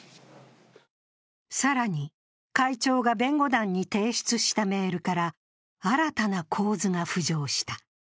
更に、会長が弁護団に提出したメールから新たな構図が浮上した。